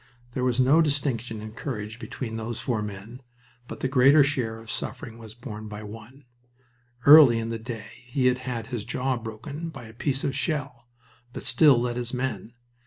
There was no distinction in courage between those four men, but the greater share of suffering was borne by one. Early in the day he had had his jaw broken by a piece of shell, but still led his men.